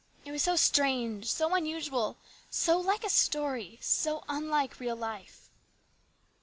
It was so strange, so unusual, so like a story, so unlike real life.